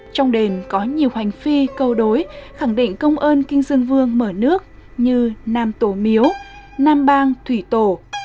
trong đền có nhiều hoành phi câu đối khẳng định công ơn kinh dương vương mở nước như nam tổ miếu nam bang thủy tổ